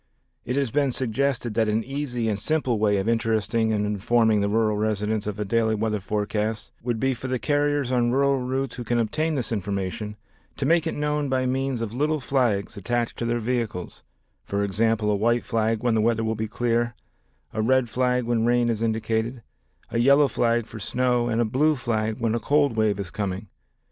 It has been suggested that an easy and simple way of interesting and informing the rural residents of the daily weather forecasts would be for the carriers on rural routes who can obtain this information to make it known by means of little flags attached to their vehicles, for example, a white flag when the weather will be clear, a red flag when rain is indicated, a yellow flag for snow and a blue flag when a cold wave is coming.